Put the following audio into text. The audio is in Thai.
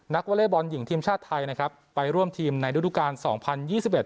วอเล็กบอลหญิงทีมชาติไทยนะครับไปร่วมทีมในฤดูการสองพันยี่สิบเอ็ด